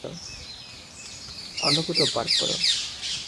অন্য কোথাও পার্ক কর।